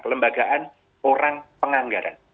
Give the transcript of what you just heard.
kelembagaan orang penganggaran